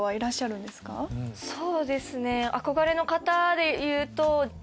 そうですね憧れの方でいうと。